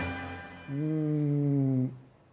うん。